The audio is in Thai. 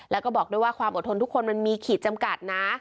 แล้วก็บอกด้วยว่าความอดทนทุกคนมันมีขีดจำกัดนะ